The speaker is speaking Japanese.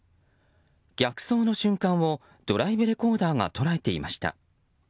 逆走の瞬間をドライブレコーダーが捉えていました。